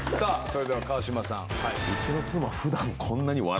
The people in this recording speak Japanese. それでは川島さん